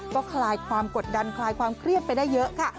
ก็คลายความกดดันคลายความเครียดไปได้เยอะค่ะ